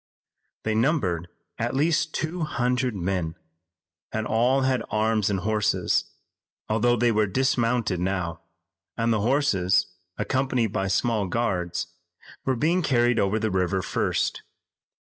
They numbered at least two hundred men, and all had arms and horses, although they were dismounted now, and the horses, accompanied by small guards, were being carried over the river first.